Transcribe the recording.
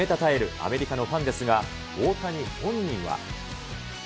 アメリカのファンですが、大谷本人は。